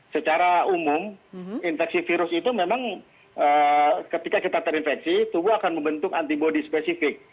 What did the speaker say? secara umum infeksi virus itu memang ketika kita terinfeksi tubuh akan membentuk antibody spesifik